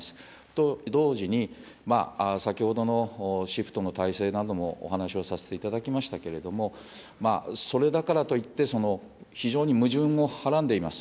と同時に、先ほどのシフトの体制などもお話をさせていただきましたけれども、それだからといって、非常に矛盾もはらんでいます。